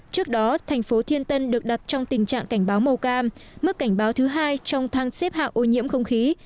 trước đó thành phố thiên tân được đặt trong tình trạng cảnh báo màu cam mức cảnh báo thứ hai trong thang xếp hạng ô nhiễm không khí